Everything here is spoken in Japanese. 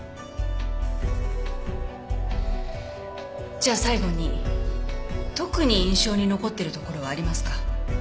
じゃあ最後に特に印象に残っているところはありますか？